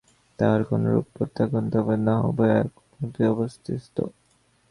তাহার কোনরূপ প্রত্যক্ষ ধর্মানুভূতি নাই, উভয়ে এক ভূমিতেই অবস্থিত।